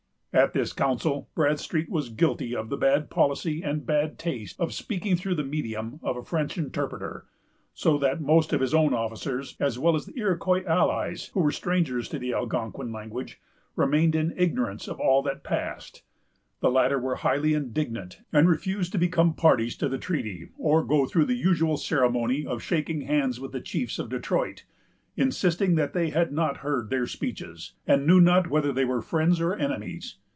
At this council, Bradstreet was guilty of the bad policy and bad taste of speaking through the medium of a French interpreter; so that most of his own officers, as well as the Iroquois allies, who were strangers to the Algonquin language, remained in ignorance of all that passed. The latter were highly indignant, and refused to become parties to the treaty, or go through the usual ceremony of shaking hands with the chiefs of Detroit, insisting that they had not heard their speeches, and knew not whether they were friends or enemies.